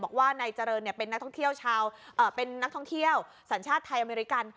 บอกว่านายเจริญเนี่ยเป็นนักท่องเที่ยวสรรชาติไทยอเมริกัน